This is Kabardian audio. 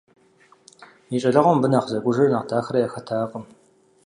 И щӀалэгъуэм абы нэхъ зэкӀужрэ нэхъ дахэрэ яхэтакъым.